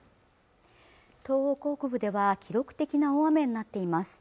東北北部では記録的な大雨になっています